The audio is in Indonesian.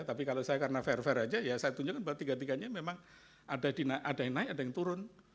tapi kalau saya karena fair fair aja ya saya tunjukkan bahwa tiga tiganya memang ada yang naik ada yang turun